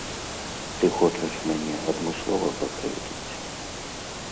Ты хочаш мяне адмыслова пакрыўдзіць?